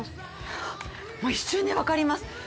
もう一瞬で分かります。